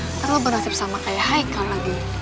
nanti lo berhasil sama kayaknya